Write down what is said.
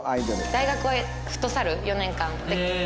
大学はフットサル４年間やってたんで。